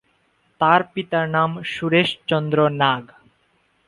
তার পিতার নাম সুরেশচন্দ্র নাগ।